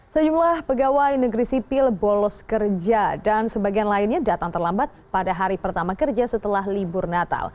sejumlah pegawai negeri sipil bolos kerja dan sebagian lainnya datang terlambat pada hari pertama kerja setelah libur natal